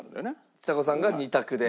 ちさ子さんが２択で。